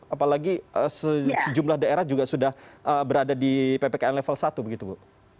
apalagi sejumlah daerah juga sudah berada di ppkm level satu begitu bu